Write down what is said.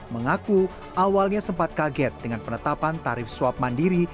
mengaku awalnya sempat kaget dengan penetapan tarif swab mandiri